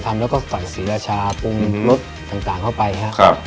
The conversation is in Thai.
ทำแล้วก็ใส่ศรีราชาปรุงรสต่างเข้าไปครับ